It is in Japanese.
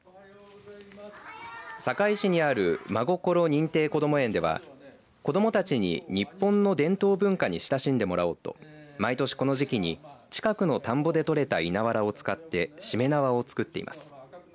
坂井市にあるまごころ認定こども園では子どもたちに日本の伝統文化に親しんでもらおうと毎年この時期に近くの田んぼで取れた稲わらを使ってしめ縄を作っています。